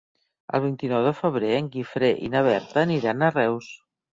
El vint-i-nou de febrer en Guifré i na Berta aniran a Reus.